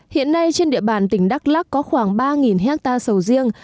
hiện nay trên địa bàn tỉnh đắk lắc có khoảng ba hectare sầu riêng